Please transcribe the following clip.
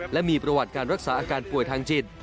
และมีประวัติการรักษาอาการป่วยทางจิต